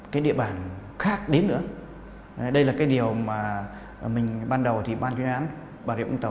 cái địa bản khác đến nữa đây là cái điều mà mình ban đầu thì ban chuyên án bà rịa vũng tàu